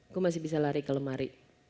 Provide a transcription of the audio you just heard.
gue masih bisa lari ke lemari